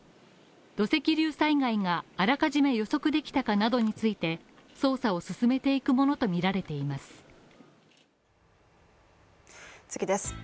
土石流災害があらかじめ予測できたかなどについて捜査を進めていくものとみられています。